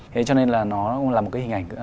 thế cho nên là nó là một cái hình ảnh